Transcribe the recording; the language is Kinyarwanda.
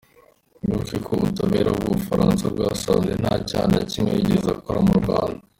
Mwibuke ko Ubutabera bw ‘ubufaransa bwasanze nta cyaha na kimwe yigeze akora mu Rwanda.